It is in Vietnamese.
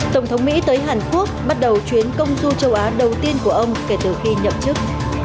tổng thống mỹ tới hàn quốc bắt đầu chuyến công du châu á đầu tiên của ông kể từ khi nhậm chức